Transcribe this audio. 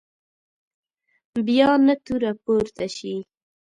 بیا نه توره پورته شي.